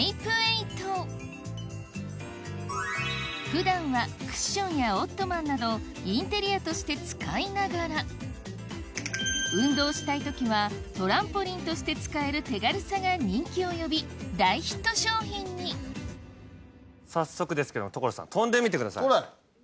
普段はクッションやオットマンなどインテリアとして使いながらとして使える手軽さが人気を呼び大ヒット商品に早速ですけど所さん跳んでみてください。